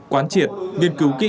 quán triệt nghiên cứu kỹ